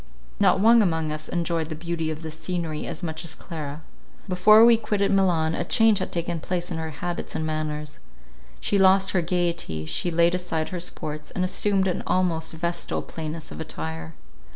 Not one among us enjoyed the beauty of this scenery so much as Clara. Before we quitted Milan, a change had taken place in her habits and manners. She lost her gaiety, she laid aside her sports, and assumed an almost vestal plainness of attire.